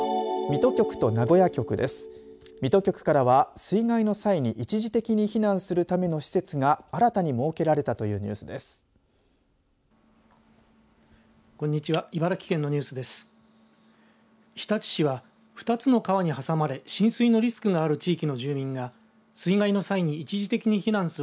水戸局からは水害の際に一時的に避難するための施設が新たに設けられたというニュースです。